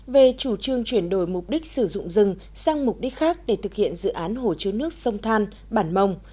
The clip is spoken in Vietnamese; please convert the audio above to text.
về chủ trương chuyển đổi mục đích sử dụng rừng sang mục đích khác để thực hiện dự án hồ chứa nước sông than bản mông